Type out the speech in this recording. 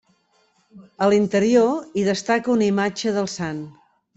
A l'interior, hi destaca una imatge del sant.